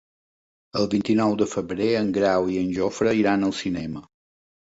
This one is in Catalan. El vint-i-nou de febrer en Grau i en Jofre iran al cinema.